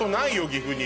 岐阜に。